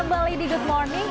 kembali di good morning